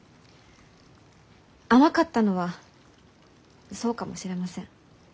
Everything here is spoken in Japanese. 甘かったのはそうかもしれません。